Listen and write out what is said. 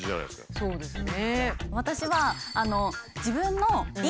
そうですね。